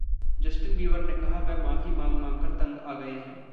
Justin Bieber ने कहा वह माफी मांग मांगकर तंग आ गए हैं